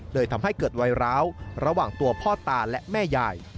ทำให้เกิดวัยร้าวระหว่างตัวพ่อตาและแม่ยาย